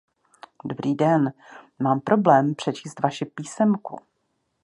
Dobrý den, mám problém přečíst vaši písemku.